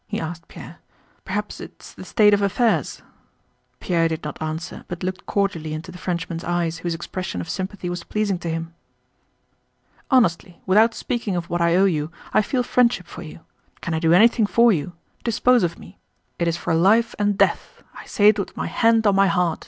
he asked Pierre. "Perhaps it's the state of affairs?" Pierre did not answer, but looked cordially into the Frenchman's eyes whose expression of sympathy was pleasing to him. "Honestly, without speaking of what I owe you, I feel friendship for you. Can I do anything for you? Dispose of me. It is for life and death. I say it with my hand on my heart!"